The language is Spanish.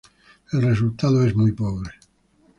El resultado es muy pobre.